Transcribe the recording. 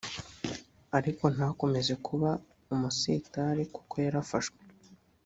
ariko ntakomeze kuba umusitari kuko yarafashwe